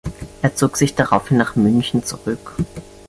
Er zog sich daraufhin nach München zurück.